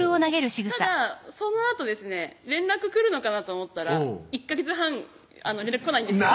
ただそのあとですね連絡来るのかなと思ったら１カ月半連絡来ないんですよ